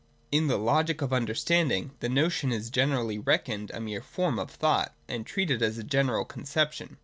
In the logic of understanding, the notion is generally reckoned a mere form of thought, and treated as a general conception.